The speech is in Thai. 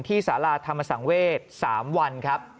สาราธรรมสังเวศ๓วันครับ